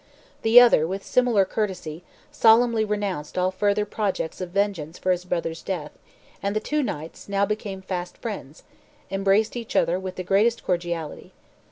The other, with similar courtesy, solemnly renounced all further projects of vengeance for his brother's death; and the two knights, now become fast friends, embraced each other with the greatest cordiality.